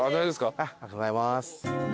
ありがとうございます。